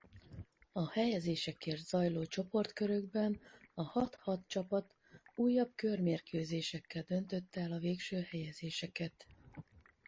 A helyezésekért zajló csoportkörökben a hat-hat csapat újabb körmérkőzésekkel döntötte el a végső helyezéseket.